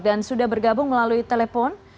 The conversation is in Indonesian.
tidak ada cara lain